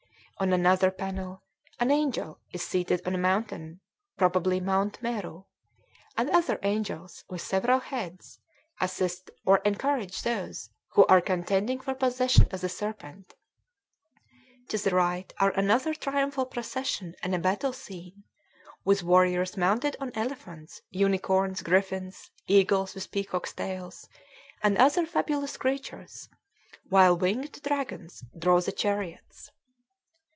On another panel an angel is seated on a mountain (probably Mount Meru), and other angels, with several heads, assist or encourage those who are contending for possession of the serpent. To the right are another triumphal procession and a battle scene, with warriors mounted on elephants, unicorns, griffins, eagles with peacocks' tails, and other fabulous creatures, while winged dragons draw the chariots.